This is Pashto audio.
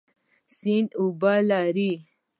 سیند اوبه لري